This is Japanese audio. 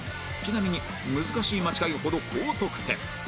ちなみに難しい間違いほど高得点